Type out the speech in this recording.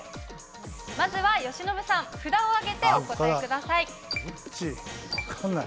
まずは由伸さん、札を上げてお答分かんない。